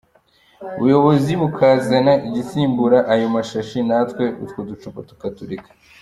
ubuyobozi bukazana igisimbura ayo mashashi, natwe utwo ducupa tukatureka.